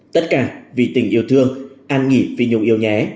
tất cả vì tình yêu thương an nghỉ vì nhung yêu nhé